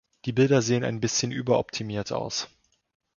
Die Bilder sehen ein bisschen überoptimiert aus.